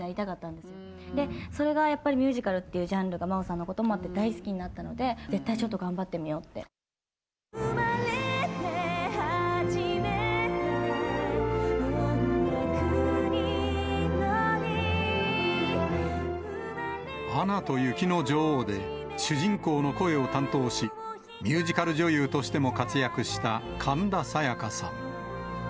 で、それがやっぱりミュージカルっていうジャンルで、まおさんのこともあって、大好きになったので、絶対ちょっと頑張アナと雪の女王で、主人公の声を担当し、ミュージカル女優としても活躍した神田沙也加さん。